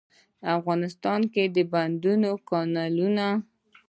افغانستان کې د بندونو، کانالونو.